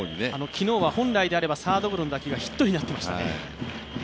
昨日は本来であればサードゴロの打球がヒットになっていましたね。